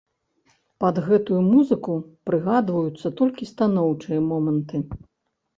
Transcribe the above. Пад гэтую музыку прыгадваюцца толькі станоўчыя моманты.